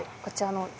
こちらの。